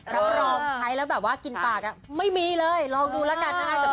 รับรองใช้แล้วแบบว่ากินปากไม่มีเลยลองดูแล้วกันนะคะ